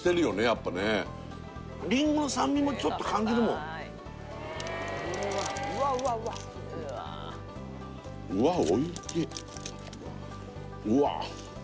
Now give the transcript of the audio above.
やっぱねりんごの酸味もちょっと感じるもんうわっ